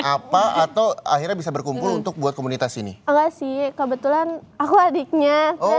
apa atau akhirnya bisa berkumpul untuk buat komunitas ini enggak sih kebetulan aku adiknya